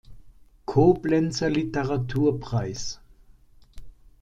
Koblenzer Literaturpreis